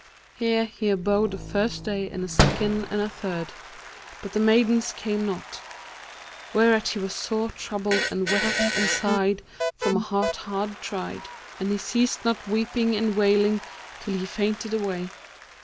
Here he abode a first day and a second and a third, but the maidens came not; whereat he was sore troubled and wept and sighed from a heart hard tried; and he ceased not weeping and wailing till he fainted away.